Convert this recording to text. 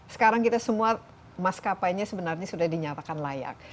sekarang kita semua maskapainya sebenarnya sudah dinyatakan layak